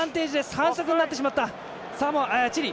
反則になってしまった、チリ。